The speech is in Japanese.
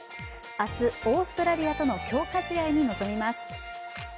明日、オーストラリアとの強化試合に臨みます。